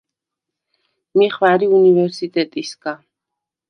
მი ხვა̈რი უნივერსტეტისგა.